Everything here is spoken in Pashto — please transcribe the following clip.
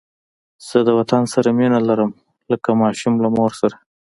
زه د وطن سره مینه لرم لکه ماشوم له مور سره